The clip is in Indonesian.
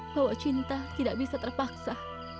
bahwa cinta tidak bisa terpaksa